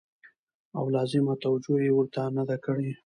او لازمه توجع يې ورته نه ده کړې